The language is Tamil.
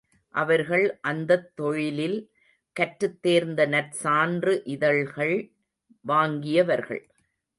அவர்கள் அந்தத் தொழிலில் கற்றுத் தேர்ந்து நற்சான்று இதழ்கள் வாங்கியவர்கள்.